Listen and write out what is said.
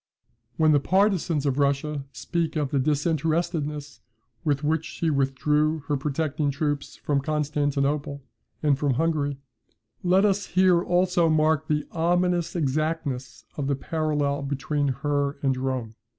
When the partisans of Russia speak of the disinterestedness with which she withdrew her protecting troops from Constantinople, and from Hungary, let us here also mark the ominous exactness of the parallel between her and Rome.